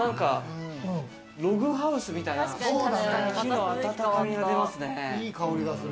ログハウスみたいな木の温かみがありますね。